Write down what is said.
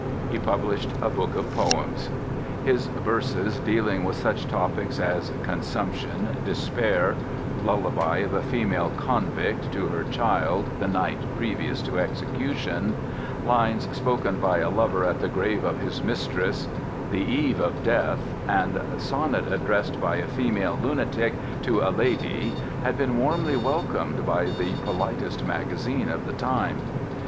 He published a book of poems. His verses, dealing with such topics as Consumption, Despair, Lullaby of a Female Convict to Her Child the Night Previous to Execution, Lines Spoken by a Lover at the Grave of His Mistress, The Eve of Death, and Sonnet Addressed by a Female Lunatic to a Lady, had been warmly welcomed by the politest magazines of the time.